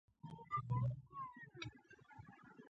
په دې برخه کې د هندوستان د خلکو ځینو عادتونو، فرهنک